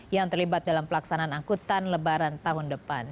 yang terlibat dalam pelaksanaan angkutan lebaran tahun depan